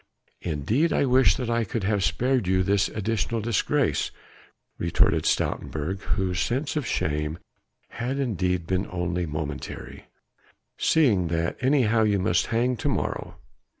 "Indeed I wish that I could have spared you this additional disgrace," retorted Stoutenburg, whose sense of shame had indeed been only momentary, "seeing that anyhow you must hang to morrow.